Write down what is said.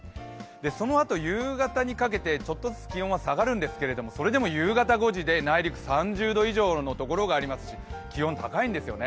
そのあと夕方にかけてちょっとずつ気温は下がるんですけれども、それでも夕方５時で内陸３０度以上のところがありますし、気温高いんですよね。